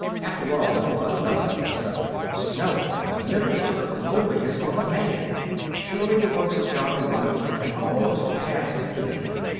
After all, it was nothing but snow. Snow in the middle of the glorious month of May! surely the works of God are wonderful and almost past belief!